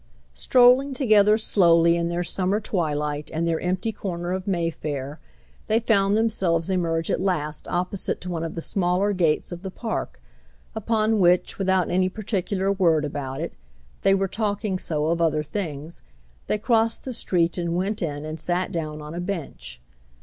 Strolling together slowly in their summer twilight and their empty corner of Mayfair, they found themselves emerge at last opposite to one of the smaller gates of the Park; upon which, without any particular word about it—they were talking so of other things—they crossed the street and went in and sat down on a bench.